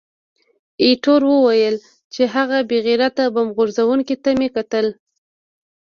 ایټور وویل چې، هغه بې غیرته بم غورځوونکي ته مې کتل.